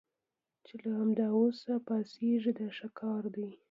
چې له همدا اوس پاڅېږئ دا ښه کار دی.